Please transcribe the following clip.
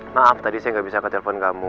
maaf tadi saya gak bisa ke telpon kamu